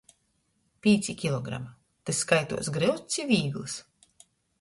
Pīci kilogrami – tys skaituos gryuts ci vīglys?